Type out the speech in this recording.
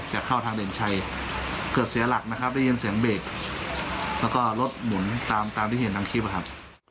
จะเข้าทางเด่นชัยเกิดเสียหลักนะครับได้ยินเสียงเบรกแล้วก็รถหมุนตามตามที่เห็นทางคลิปอะครับ